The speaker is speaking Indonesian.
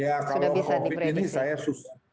ya kalau covid ini saya susah